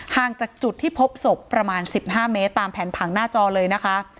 ห่างจากจุดที่พบศพประมาณ๑๕เมตรตามแผนผังหน้าจอเลยนะคะ